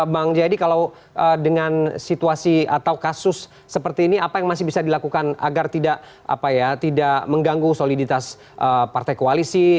bang jayadi kalau dengan situasi atau kasus seperti ini apa yang masih bisa dilakukan agar tidak mengganggu soliditas partai koalisi